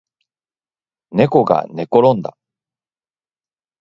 ねこがねころんだ